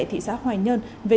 thị xã hoài nhơn về